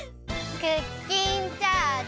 クッキンチャージ！